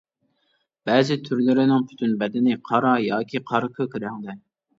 بەزى تۈرلىرىنىڭ پۈتۈن بەدىنى قارا ياكى قارا كۆك رەڭدە.